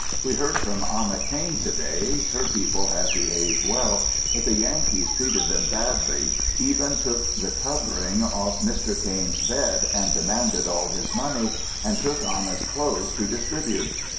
We heard from Anna Cain to day. Her people have behaved well, but the Yankees treated them badly, even took the covering off Mr. Cain's bed and demanded all his money, and took Anna's clothes to distribute.